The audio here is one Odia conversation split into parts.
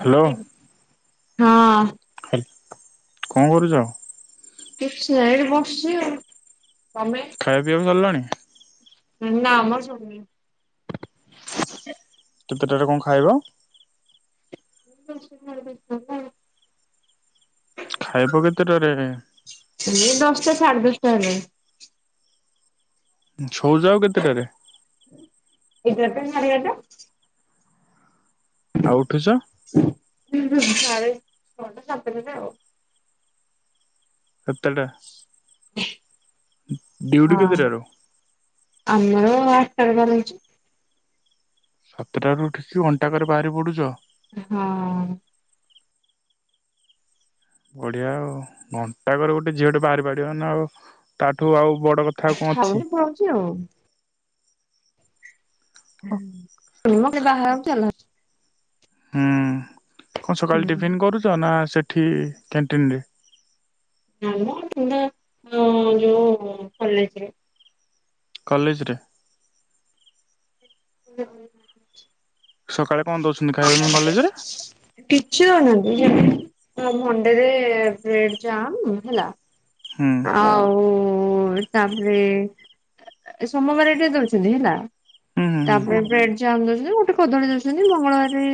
ହ୍ୟାଲୋ [unintelligible] କଣ କରୁଛ? କିଛି ନାଇଁ ଏଇଠି ବସିଛି ଆଉ। ତମେ? ଖାଇବା, ପିଇବା ସରିଲାଣି? ନା ମ ସରିନି। କେତେଟାରେ କଣ ଖାଇବ? ଦାଶଟା, ସାଢ଼େ ଦଶଟା। [unintelligible] ଖାଇବ କେତେଟାରେ ଏ? ଏଇ ଦଶଟା, ସାଢେ ଦଶଟା ହେଲେ। ଶୋଉଚ ଆଉ କେତେଟାରେ? ଏଗାରଟା, ସାଢ଼େ ଏଗାରଟା। ଆଉ ଉଠୁଛ? ହୁଁ, ହୁଁ ସାଢ଼େ ଛଅଟା, ସାତଟାରେ ଆଉ। ସାତଟା, ଡ୍ୟୁଟି ହଁ। କେତଟାରୁ? ଆମର ଆଠଟା ରେ ବାହାରୁଚୁ। ସାତଟାରୁ ଉଠିକି ଘଣ୍ଟାକରେ ବାହାରି ପଡୁଛ? ହଁ। ବଢିଆ ଆଉ ଘଣ୍ଟାକରେ ଗୋଟେ ଝିଅଟେ ବାହାରି ପାରିବ ନାଆଉ ତାଠୁ ଆଉ ବଡ କଥ ଖାଉନି ପଳଉଛି ଆଉ। [inaudible] ହୁଁ, କଣ ସକାଳେ ଟିଫିନ କରୁଛ ନା ସେଠି କ୍ୟାଣ୍ଟିନରେ? ନାଇମ [unintelligible] ନା ଯୋଉ କଲେଜରେ। କଲେଜରେ। [inaudible] ସକାଳେ କଣ ଦଉଛନ୍ତି ଖାଇବା ପାଇଁ କଲେଜରେ? କିଛି ଦଉନାହାନ୍ତି ଯେ, ମଣ୍ଡେରେ ବ୍ରେଡ ଜାମ ହେଲା। ହୁଁ ଆଉ ତାପରେ, ଏ, ଏ ସୋମବାର ଏଇଟା ଦଉଛନ୍ତି ହେଲା। ହୁଁ ହୁଁ ତାପରେ ବ୍ରେଡ ଜାମ ଦଉଛନ୍ତି, ଗୋଟେ କଦଳୀ ଦଉଛନ୍ତି ମଙ୍ଗଳବାରେ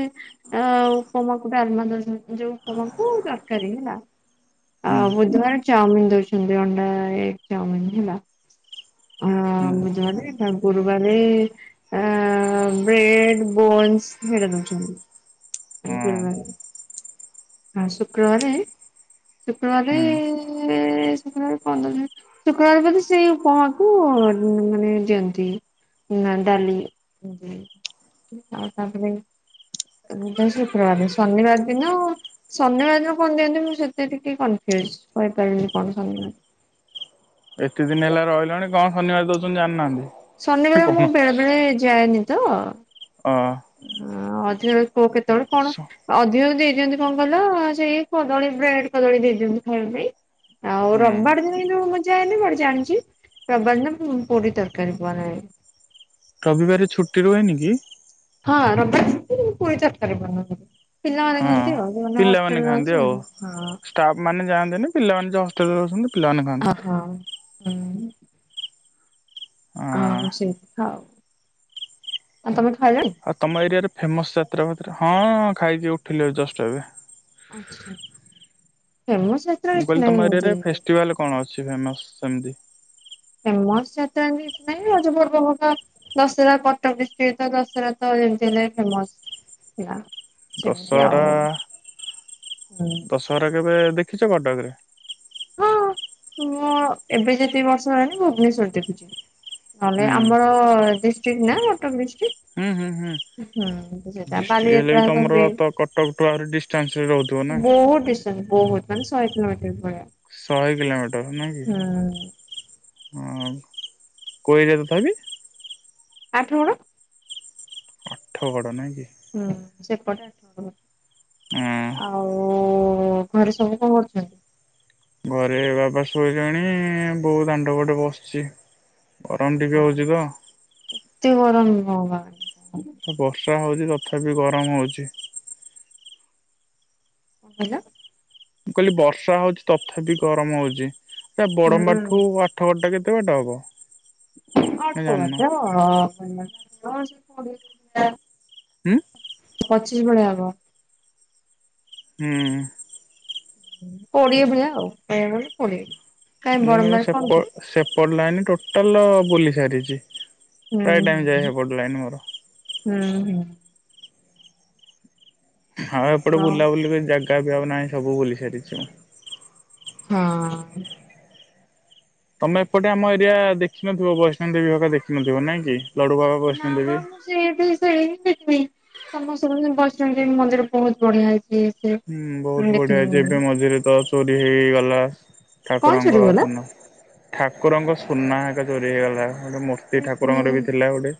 ଆଉ ଉପମାକୁ ଡାଲମା ଦଉଛନ୍ତି, ଯୋଉ ଉପମାକୁ ତରକାରୀ ହେଲା। ହୁଁ ଆଉ ବୁଧବାରେ ଚାଉମିିନ ଦଉଛନ୍ତି ଅଣ୍ଡା ଏଗ୍ ଚାଓମିନ ହେଲା। [unintelligible] ହୁଁ ଆଉ ଗୁରୁବାରେ ଆ ବ୍ରେଡ, ବୋନ୍ସ ହେଇରା ଦଉଛନ୍ତି। ହୁଁ ହଁ ହୁଁ ହଁ ଶୁକ୍ରବାରେ, ଶୁକ୍ରବାରେ, ହୁଁ। ଶୁକ୍ରବାରେ କଣ ଦଉଛନ୍ତି ଶୁକ୍ରବାରେ ବୋଧେ ସେଇ ଉପମାକୁ ଉଁ ମାନେ ଦିଅନ୍ତି। ନାଁ ଡାଲି ଆଉ ତାପରେ [inaudible] ଶୁକ୍ରବାରେ ଶନିବାର ଦିନ ଶନିବାର ଦିନ କଣ ଦିଅନ୍ତି ମୁଁ ସେତେ ଟିକେ କନଫ୍ୟୁଜ, କହିପାରିବିନି କଣ ଦିଅନ୍ତି। ଏତେ ଦିନ ହେଲା ରହିଲାଣି, କଣ ଶନିବାର ଦଉଛନ୍ତି ଜାଣିନାହାନ୍ତି? ଶନିିବାରେ କଣ ମୁଁ ବେଳେ ବେଳେ ଯାଏନି ତ। ହଁ। ହ ଅଦିନରେ କୋଉ କେତେବେଳେ ସ କଣ? ଅଧିକ ଦେଇଦିଅନ୍ତି କଣ କହିଲ, ସେଇ କଦଳୀ, ବ୍ରେଡ, କଦଳୀ ଦେଇଦିଅନ୍ତି ଖାଇବା ପାଇଁ। ଆଉ ହୁଁ ରବିବାର ଦିନ କିନ୍ତୁ, ମୁଁ ଯାଏନି ବଟ ଜାଣିଛି। ରବିବାର ଦିନ ପୁ ପୁରୀ, ତରକାରୀ ବାନାହୁଏ। ରବିବାରେ ଛୁଟି ରୁହେନି କି? ହଁ ରବିବାର ଛୁଟି ରୁହେ। ପୁଣି ଚାର ଟା ରେ ବନାନ୍ତି। ପିଲାମାନେ ହଁ ଖାଆନ୍ତି ଆଉ, ମାନେ ହଷ୍ଟେଲ ଲଞ୍ଚ ଷ୍ଟାଫ ମାନ ଯାଆନ୍ତିନି। ପିଲାମାନେ ଯୋଉ ହଷ୍ଟେଲରେ ରହୁସନ୍ତି ପିଲାମାନେ ଖାଆନ୍ତି ଆଉ। ହଁ ହଁ। ହଁ। ହଁ ସେଇଠି ଖାଉ, ଆଉ ତମେ ଖାଇଲଣି? ଆଉ ତମ ଏରିଆରେ ଫେମସ ଯାତ୍ରା ଫାତ୍ରା ହଁଁ ଖାଇକି ଉଠିଲେ ଜଷ୍ଟ ଏବେ। ଆଛା ଫେମସ ମ ଯାତ୍ରା ମୁଁ କହିଲି କିଛି ତମ ନାହିଁ ଏରିଆରେ ଏମିତି। ଫେଷ୍ଟିଭାଲ କଣ ଅଛି ଫେମସ ସେମତି? ଫେମସ୍ ଯାତ୍ରା ସେମିତି କିଛି ନାଇଁ। ରଜ ପର୍ବ ହେକା ଦଶହରା କଟକ ଡିଷ୍ଟ୍ରିକଟରେ ତ ଦଶହରା ତ ଯେମତି ହେଲେ ଫେମସ ଥିଲା। ସେମିତି ଦଶହରା ଆଉ ହୁଁ ଦଶହରା କେବେ ଦେଖିଛ କଟକରେ? ହଁ। ମୁଁ ଏବେ ଯେତିକି ବର୍ଷ ହେଲାଣିି ଭୁବନେଶ୍ଵର ଦେଖୁଛିି। ନହେଲେ ହୁଁ ଆମର ଡିଷ୍ଟ୍ରିକ୍ଟ ନା କଟକ ଡିଷ୍ଟ୍ରିକ୍ଟ। ହୁଁ ହୁଁ ହୁଁ। ହୁଁ ସେଟା ଡିଷ୍ଟ୍ରିକ ହେଲେ ବାଲିଯାତ୍ରା ବି ହକା ତମର ହୁଏ। ତ କଟକଠୁ ଆହୁରି ଡିଷ୍ଟାନ୍ସରେ ରହୁଥିବ ନା। ବହୁତ ଡିଷ୍ଟାନ୍ସ ବହୁତ ମାନେ ଶହେ କିଲୋ ମିଟର ଭଳିଆ। ଶହେ କିଲୋମିଟର ନୁହଁ ହୁଁ କି, ଅ ହ କୋଉ ଏରିଆ ତଥାବି? ଆଠଗଡ। ଆଠ ଗଡ଼ ନାଁ କି? ହୁଁ ସେପଟେ ଆଠଗଡ଼। ହଁ ଆଉ ଓ ଘରେ ସବୁ କଣ କରୁଛନ୍ତି? ଘରେ ବାବା ଶୋଇଲେଣି ବୋଉ ଦାଣ୍ଡ ପଟେ ବସଚି। ଗରମ ଟିକେ ହଉଛି ତ। ଏତେ ଗରମ ନୁହଁ ବା। ବର୍ଷା ହଉଚି ତଥାପି ଗରମ ହଉଚି। [inaudible] ମୁଁ କହିଲି ବର୍ଷା ହଉଚି ତଥାପି ଗରମ ହଉଚି। ଏଟା ବଡମ୍ବା ଠୁ ହୁଁ ଆଠଗଡ଼ ଟା କେତେ ବାଟ ହବ? ନା ଅଳ୍ପ ଜାଣିନ ବାଟ ଅ। ଉଁ ପଚିଶ ଭଳିଆ ହବ। ହୁଁ। କୋଡିଏ ଭଳିଆ ଆଉ। କହିବାକୁ ଗଲେ ଆଉ ମୁଁ କିନ୍ତୁ ସେ ସେପଟ ଲାଇନି ଟୋଟାଲ ବୁଲି ସାରିଛି। ହୁଁ ପ୍ରାୟ ଟାଇମ ଯାଏ ହୁଁ ସେପଟ ଲାଇନ ମୋର ହୁଁ ହୁଁ। ହଁ ତ ଏପଟେ ବୁଲାବୁଲି ପାଇଁ ଜାଗା ବିି ଆଉ ନାହିଁ ସବୁ ବୁଲି ସାରିଚି। ହଁ। ତମେ ଏପଟେ ଆମ ଏରିଆ ଦେଖିନଥିବ ବୈଷ୍ଣବ ଦେବୀ ଭକା ଦେଖିନଥିବ ନାଇଁ କି? ଲଡୁ ବାବା ବୈଷ୍ଣବ ନାବା ଦେବୀ। ମୁଁ। ଏଠି ବି ସେଇ ଦେଖିବି। ସମସ୍ତେ କହୁଛନ୍ତି ବୈଷ୍ଣବୀ ଦେବୀ ମନ୍ଦିର ବୋହୁତ୍ ବଢ଼ିଆ ହୋଇଛି। ହୁଁ ବୋହୁତ୍ ବଢିଆ ହେଇଛି। ଏବେ ମଝିରେ ତ ଚୋରି ହେହେଇଗଲା। କଣ ଚୋରି ଠାକୁରଙ୍କ ହେଇଗଲା? ସୁନା। ଠାକୁରଙ୍କ ସୁନା ଆଗ ଚୋରି ହେଇଗଲା। ଗୋଟେ ମୁର୍ ତି ଏଇ ଠାକୁରଙ୍କର ବି ଥିଲା ଗୋଟେ।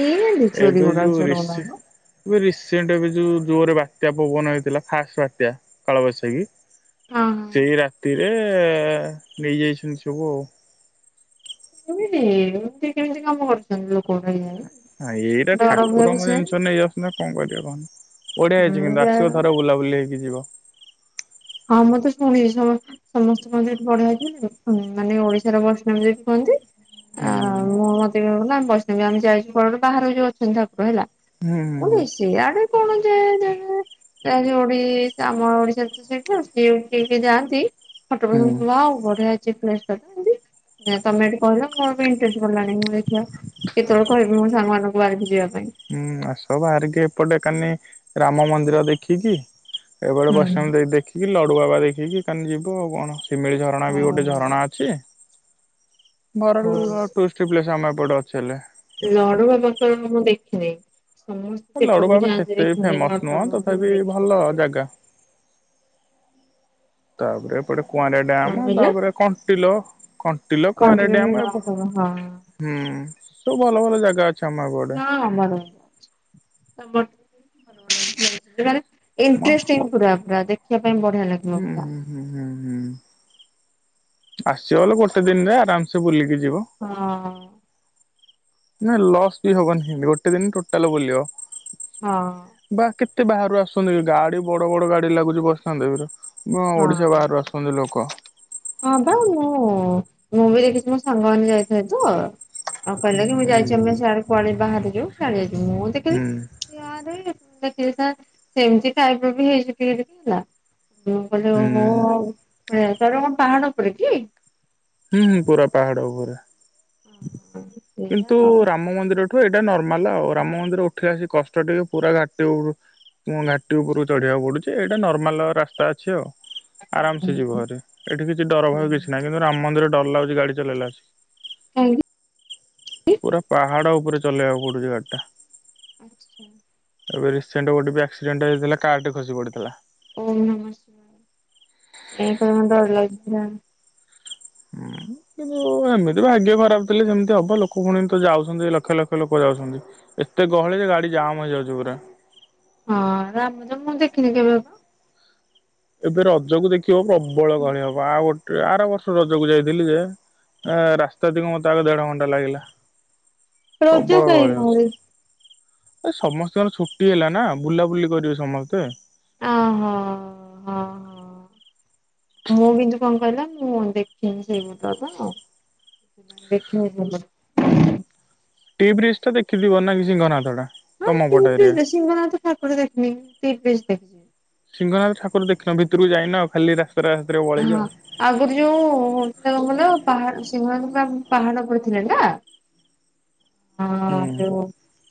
ଦେଇ ନାହାନ୍ତି? ଏବେ ଯୋଉ ରିଶି ଏବେ ରିସେଣ୍ଟ ଏବେ ଯୋଉ ଜୋରରେ ବାତ୍ୟା ପବନ ହେଇଥିଲା ଫାଷ୍ଟ ବାତ୍ୟା କାଳବୈଶାଖୀ ହଁ ହଁ ସେଇ ରାତିରେ ନେଇ ଯାଇଛନ୍ତି ସବୁ ଆଉ। କେମିତି ଏମିତି କେମିତି କାମ କରୁଛନ୍ତି ଲୋକ ମାନେ କେଜାଣି। ହଁ ଏଇଟା ଡର ଭୟ ଠାକୁରଙ୍କ ବିଷୟରେ ଜିନିଷ ନେଇ ଯାଉଛନ୍ତି କଣ କରିବା କହନି? ବଢ଼ିଆ ହେଇଚି ହୁଁ କିନ୍ତୁ ଯା ଆସିବ ଥରେ ବୁଲାବୁଲି ହେଇକି ଯିବ। ହଁ ମୁଁ ତ ଶୁଣଛିି ସମ ସମସ୍ତେ କହନ୍ତି ସେଠି ବଢ଼ିଆ ହେଇଛି ମାନେ ଓଡ଼ିଶାର ବୈଷ୍ଣବୀ ଦେବୀ କୁହନ୍ତି। ହୁଁ। ଶୁଣୁନ, ବୈଷ୍ଣବୀ ଆମେ ଯାଇଛୁ ବାହାରେ ଯୋଉ ଆଛନ୍ତି ଠାକୁର ହେଲା। ହୁଁ, ହୁଁ, ହୁଁ। ସେଆଡ଼େ କଣ ଜେଫ ଜେ ଯୋଉ ଓଡ଼ି ଆମ ଓଡିଶା ସେ ସ ଯାଆନ୍ତି ଫଟୋ ହୁଁ ଫଟୋ ୱାଅ ବଢ଼ିଆ ହେଇଛି ପ୍ଲେସ ତାପରେ ଏମିତି, ତମେ ଏଠି କହିଲ ମୋର ବି ଇଣ୍ଟ୍ରେଷ୍ଟ ବଢ଼ିଲାଣି ମୁଁ ଦେଖିବା କେତେବେଳେ କହିବି ମୁଁ ସାଙ୍ଗମାନଙ୍କୁ ବାହାରିକି ଯିବା ପାଇଁ। ହୁଁ ଆସ ବାହାରିକି ଏପଟେ ଏକାନି ରାମ ମନ୍ଦିର ଦେଖିକି ଏପଟେ ହୁଁ। ବୈଷ୍ଣବୀ ଦେବୀ ଦେଇ ଦେଖିକି, ଲଡୁ ବାବା ଦେଖିକି ଏକନି ଯିବ ଆଉ କଣ ସିମିଳି ଝରଣା ବି ଗୋଟେ ଝରଣା ଅଛି। ଭଲ ହଁ ଟୁରିଷ୍ଟ ପ୍ଲେସ ଅଛି ଆମ ଏପଟେ ଅଛି ହେଲେ। ଲଡୁ ବାବାଙ୍କର ମୁଁ ଦେଖିନି। ସମସ୍ତେ ଲଡୁ ଏପେଟ କୁ ବାବା ସେତେ ଯାଆନ୍ତି, ବି ଫେମସ ନୁହଁ ଶୁଣନ୍ତି ତଥାପି ଭଲ ଦେଖିବା ପାଇଁ ବୋଲି। ଜାଗା ତାପରେ ଏପଟେ କୁଆଁରିଆ କଣ ଡ୍ୟାମ କହିଲ? ତାପରେ କଣ୍ଟିଲ, କଣ୍ଟିଲ କୁଆଁରିଆ କଣ୍ଟିଲୋନି ଡ୍ୟାମ ଏ ହୁଁ ଲଡ଼ୁବାବା ହଁ ହଁ ସବୁ ଭଲ ଭଲ ଜାଗା ଅଛି ଆମ ଏପଟେ। ହଁ ଆମର ଆଡ଼େ ହୁଁ ଇଣ୍ଟ୍ରେଷ୍ଟିଙ୍ଗ ପୁରା ପୁରା ଦେଖିବା ପାଇଁ ବଢ଼ିଆ ଲାଗିବ ପୁରା। ହୁଁ, ହୁଁ, ହୁଁ ଆସିବ ବୋଲେ ଗୋଟେ ଦିନରେ ଆରାମସେ ବୁଲିକି ଯିବ। ହଁ। ନା ଲସ୍ ବି ହବନି, ସେମିତି ଗୋଟେ ଦିନ ଟୋଟାଲ ବୁଲିବ। ହଁ। ବା କେତେ ବାହାରୁ ଆସଛନ୍ତି ଗାଡ଼ି ବଡ଼ ବଡ ଗାଡ଼ି ଲାଗୁଛି ବୈଷ୍ଣବୀ ଦେବୀରେ। ଏବଂ ଓଡ଼ିଶା ହଁ ବାହାରୁ ଆସଛନ୍ତି ଲୋକ। ହଁ ବା ମୁଁ, ମୁଁ ବି ଦେଖଛି ମୋ ସାଙ୍ଗମାନେ ଯାଇଥିଲେ ତ। ଆଉ ହୁଁ କହିଲା କି ମୁଁ ଯାଇଛି ଏପଟେ ବାହାରେ ଯିବୁ ସିଆଡ଼େ ଯିବୁ ମୁଁ ହୁଁ ହୁଁ ଦେଖିଲି। ଦେଖି ସେମିତି ଟାଇପ୍ ବି ହେଇଛି ପ୍ଲେସ ହେଲା। ମୁଁ କହିଲି ଓହୋ, ହୁଁ କଣ ପାହାଡ଼ ଉପରେ କି? ହୁଁ, ହୁଁ ପୁରା ପାହାଡ଼ ଉପରେ। ସେଇଆ କିନ୍ତୁ ଆଉ ରାମ ମନ୍ଦିର ଠୁ ଏଇଟା ନର୍ମାଲ ଆଉ। ରାମ ମନ୍ଦିର ଉଠିକି ଆସି କଷ୍ଟ ଟିକେ ପୁରା ଘାଟି ଉଠ ମୁଁ ଘାଟି ଉପରୁ ଚଢ଼ିବାକୁ ପଡୁଛି ଏଇଟା ନର୍ମାଲ ରାସ୍ତା ଅଛି ଆଉ। ଆରାମ ସେ ଯିବ ହେରି। ଏଠି କିଛି ଡ଼ର ଭୟ କିଛି ନାହିଁ। କିନ୍ତୁ ରାମ ମନ୍ଦିର ଡ଼ର ଲାଗୁଛି ଗାଡ଼ି ଚଲେଇଲାବେଳେ। କାହିଁକି? ପୁରା ପାହାଡ଼ ଉପରେ ଚଲେଇବାକୁ ପଡୁଛି ଗାଡ଼ି ଟା। ଆଚ୍ଛା। ଏବେ ରିସେଣ୍ଟ ଗୋଟେ ବି ଆକ୍ସିଡେଣ୍ଟ ହେଇଥିଲା କାର ଟି ଖସି ପଡିଥିଲା। [inaudible] ହଁ। କିନ୍ତୁ ଏମିତି ବି ଭାଗ୍ୟ ଖରାପ ଥିଲେ ଯେମିତି ହବ ଲୋକ କଣ ଏମିତି ଯାଉଛନ୍ତି ଲକ୍ଷ ଲକ୍ଷ ଲୋକ ଯାଉଛନ୍ତି। ଏତେ ଗହଳି ଯେ ଗାଡ଼ି ଜାମ୍ ହେଇଯାଉଛି ପୁରା। ହଁ ରାମଜ ମୁଁ ଦେଖିନି କେବେ ଏବେ ରଜକୁ ଦେଖିବ ପ୍ରବଳ ଗହଳି ହବ ଆଉ ଗୋଟେ ଆର ବର୍ଷ ରଜକୁ ଯାଇଥିଲି ଯେ ଏ ରାସ୍ତା ଦିକ ମତେ ଆଗ ଦେଢ଼ ଘଣ୍ଟା ଲାଗିଲା ରଜ ପ୍ରବଳ କାଇଁ ଗହଳି ଘରେ ହଉଛି। ଏ ସମସ୍ତଙ୍କର ଛୁଟି ହେଲା ନା ବୁଲାବୁଲି କରିବେ ସମସ୍ତେ। ଅହୋ ହଁ [unintelligible] ହଁ। ମୁଁ କିନ୍ତୁ କଣ କହିଲ ମୁଁ ଦେଖିନି ସେଇ ଗୁଡ଼ା ତ। ଦେଖି [inaudible] ଟି ବ୍ରିଜ ଟା ଦେଖିଥିିବ ନାଇ ସିଂହନାଥ ଟା। ହଁ ତମ ପଟ ତି ଏରିଆ। ଦେ ସିଂହନାଥ ଠାକୁର ଦେଖିନି ଟି ବ୍ରିଜ ଦେଖିଛି। ସିଂହନାଥ ଠାକୁର ଦେଖିନ ଭିତରକୁ ଯାଇନ ଖାଲି ରା ରାତିରେ ହଁ ଆଗରୁ ଯୋଉ କହିଲ ପାହାଡ ସିଂହନାଦ ପୁରା ପାହାଡ ପଡି ଥିଲା ନା। ହଁ ଯଉ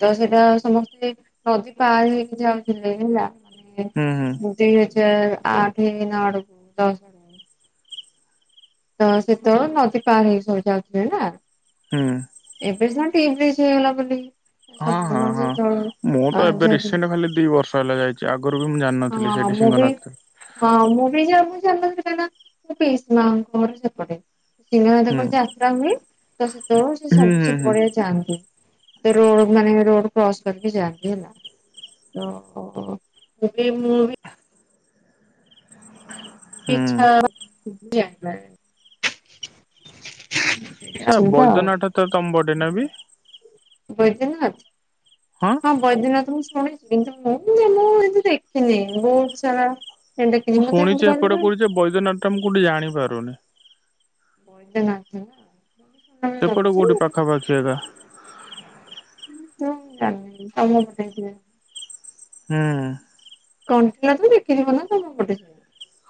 ତ ସେଇଟା ସମସ୍ତେ ନଦୀ ପାର ହେଇକି ଯାଉଥିଲେ ହେଲା। ମାନେ ହୁଁ ହୁଁ ଦୁଇ ହଜାର ଆଠ ନଆଡକୁ ଦଶ ହ ତ ସେ ତଳେ ନଦୀ ପାର ହେଇ ସବୁ ଯାଉଥିଲେ ନା। ହୁଁ। ଏବେ ସିନା ଟି ବ୍ରିଜ ହେଇଗଲା ବୋଲି। ହଁ ସବୁ ହଁ ନହେଲେ ହଁ ସେତେବେଳେ ମୁଁ ତ ଏବେ ହଁ ରିସେଣ୍ଟ ଖାଲି ଦି ବର୍ଷ ହେଲା ଯାଇଛି ଆଗରୁ ବି ମୁଁ ଜାଣିନଥିଲି ସେଠି ମୁଁ ବି ସିଂହନାଥ। ହଁ ମୁଁ ବି ଯ ମୁୁ ଜାଣିନଥିଲି ମୋ ପିଇସି ମା ଙ୍କ ଘର ସେପଟେ। ସିଂହନାଥ ହୁଁ କଣ ଯାତ୍ରା ହୁଏ ତ ସେତେବେଳେ ସେ ହୁଁ ସବୁ ହୁଁ ସେ ହୁଁ ପଡ଼ିଆକୁ ଯାଆନ୍ତି। ରୋଡ ମାନେ ରୋଡ କ୍ରସ କରିକି ଯଆନ୍ତି ହେଲା ତ ତେବେ ମୁଁ ବି ହୁଁ। ଇଛା [inaudible] ସ ବୈଦ୍ୟନାଥ ତମ ପଟେ ନାବି? ବୈଦ୍ୟନାଥ। ହଁ ହଁ ବୈଦିନାଥ ମୁଁ ଶୁଣିଛି କିନ୍ତୁ ମୁଁ ମୁଁ ଏତି ଦେଖିନି ବହୁତ ସାରା ଦେଖିଛି ମୁଁ ମତେ ଏମିତି ଶୁଣିଛି ଏପଟେ କହିଲେ କୋଉଠି ଯେ ବୈଦ୍ୟନାଥ ଟା ମୁଁ କୋଉଠି ଜାଣିପାରୁନି। ବୈଦ୍ୟନାଥ ନା [unintelligible] ସେପଟେ କୋଉଠି କିନ୍ତୁ ପାଖାପାଖି ଏକା। [inaudible] ହୁଁ। କଣ୍ଟିଲା ତ ଦେଖିଯିବ ନା ତମ ପଟେ।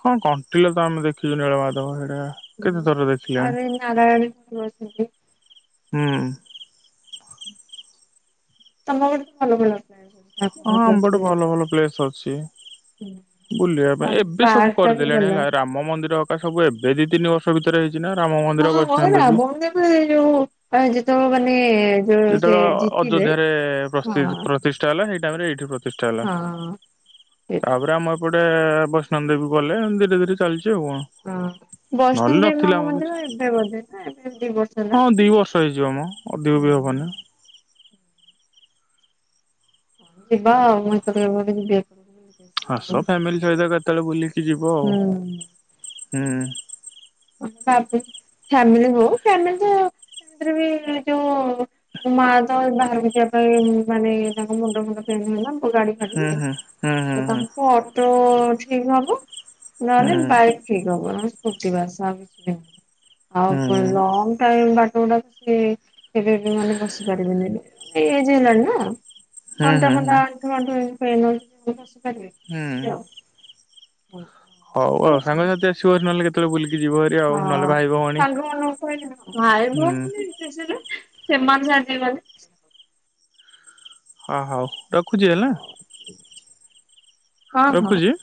କଣ କଣ୍ଟିଲୋ ତ ଆମେ ଦେଖିଛୁ ନୀଳବାଧବ ସେଇଟା। କେତେ ହୁଁ ଥର ଦେଖିଲେଣି ଆରେ ନାରାୟଣ ହୁଁ। ତମ ଗୋଟେ ଭଲ ଭଲ ହଁ ଆମ ପଟେ ଭଲ ଭଲ ପ୍ଲେସ ଅଛି। ବୁଲିବା ପାଇଁ ଆଉ ଏବେ ସବୁ ପାର୍କ ଟା ବି କରିଦେଲେଣି ଭଲ ହେଲା ରାମ ମନ୍ଦିର ଏରା ସବୁ ଏବେ ଦି ତିନି ବର୍ଷ ଭିତରେ ହେଇଛି ନା ରାମ ହଁ ମନ୍ଦିର, ହଁ ବୈଷ୍ଣବ ଦେବୀ। ରାବଣ ଦେବ ଏ ଯୋଉ ପରା ଯେତେବେଳେ ମାନେ ଯୋଉ ସେ ଯେତେବେଳେ ଜିତିଲେ ଅଯୋଧ୍ୟାରେ ହଁ ପ୍ରସ୍ତି ପ୍ରତିଷ୍ଠା ହେଲା ସେଇ ଟାଇମ ରେ ଏଇଠି ପ୍ରତିଷ୍ଠା ହେଲା, ହଁ ସେଇଟା ତାପରେ ଆମ ପଟେ ବୈଷ୍ଣ ଦେବୀ ଗଲେ ଧୀରେ ଧୀରେ ଚାଲିଛି ଆଉ କଣ? ହଁ ବୈଷ୍ଣବ ନହେଲେ ଦେବୀମାଙ୍କ ନଥିଲା ଆମ ମନ୍ଦିର କିଛି, ଏବେ ବୋଧେ ନା ଏବେ ଦି ବର୍ଷ ହେଲା। ହଁ ଦି ବର୍ଷ ହେଇଯିବ ମୋ ଅଧିକ ହୁଁ ବି ହବନି। ନାଁ ଯିବା ଆଉ ମୁଁ ଏତଳେ କେବେେ ଯିବି। ବୁଲିକି ଆସିବି ଆଉ। ଆସ ଫ୍ୟାମିଲି ସହିତ କେତେବେଳେ ବୁଲିକି ଯିବ ଆଉ, ହୁଁ। ହୁଁ। ବା ଫ୍ୟମିିଲ ହ ଫ୍ୟମ ବି ଯୋଉ ମା ତ ବାହାରକୁ ଯିବା ପାଇଁ ମାନେ ତାଙ୍କ ମୁଣ୍ଡ ଫୁଣ୍ଡ ହେଲା ଗାଡି ହୁଁ ଛାଡିବେ ହୁଁ ହୁଁ ହୁଁ ତ ତାଙ୍କୁ ଅଟୋ ଠିକ ହବ। ହୁଁ ନହେଲେ ବାଇକ ଠିକ ହବ, ନହେଲେ ସ୍କୁଟି ବାସ ଆ ହୁଁ ଆଉ ହୁଁ ଲଙ୍ଗ ଟାଇମ ବାଟ ଟା ସେ କେବେ ବି ମାନେ ବସି ପାରିବେନି, ଏଜ୍ ହେଲାଣି ନା, ହୁଁ ଅଣ୍ଟା ହୁଁ ହୁଁ। ଫଣ୍ଟା [unintelligible] ବସିପାରିବେ। ହୁଁ ଉଁ ହଉ ଆଉ ସାଙ୍ଗସାଥି ଆସିବ ହି ନହଲେ କେତବେଳେ ବୁଲିକି ଯିବ। ହେରି ଆଉ ହଁ ନହେଲେ ଭାଇ ଭଉଣୀ। ସାଙ୍ଗ କ ଭାଇ ହୁଁ ଭଉନି ସେମାନେ [unintelligible] ହଁ ହଉ ରଖୁଛି ହେଲା। [inaudible] ହଁ ହଁ। ରଖୁଛି।